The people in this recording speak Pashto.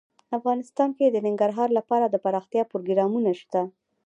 افغانستان کې د ننګرهار لپاره دپرمختیا پروګرامونه شته.